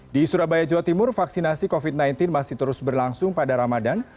di surabaya jawa timur vaksinasi covid sembilan belas masih terus berlangsung pada ramadan